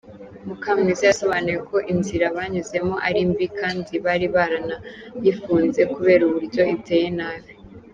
Mukamwiza yasobanuye ko inzira banyuzemo ari mbi kandi bari baranayifunze kubera uburyo iteye nabi.